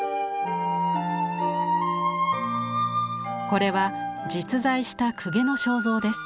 これは実在した公家の肖像です。